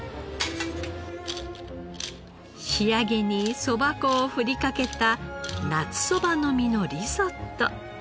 仕上げにそば粉を振りかけた夏そばの実のリゾット。